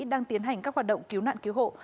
đang tiến hành các hoạt động cứu nạn cứu hộ